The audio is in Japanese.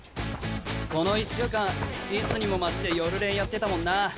この１週間いつにも増して夜練やってたもんな。